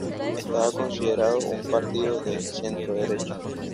Estaba considerado un partido de centroderecha.